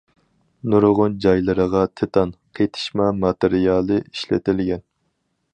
نۇرغۇن جايلىرىغا تىتان قېتىشما ماتېرىيالى ئىشلىتىلگەن.